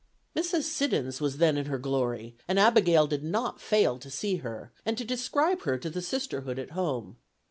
Mrs. Siddons was then in her glory, and Abigail did not fail to see her, and to describe her to the sisterhood at home.